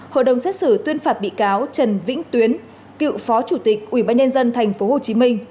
hội đồng xét xử tuyên phạt bị cáo trần vĩnh tuyến cựu phó chủ tịch ubnd tp hcm